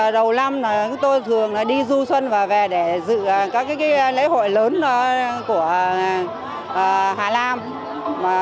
đầu năm tôi thường đi du xuân và về để dự các lễ hội lớn của hà nam